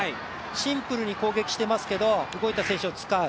シンプルに攻撃してますけど動いた選手を使う。